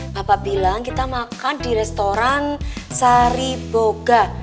bapak bilang kita makan di restoran sariboga